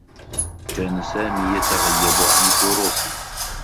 كان سامي يتغيّب عن الدّروس.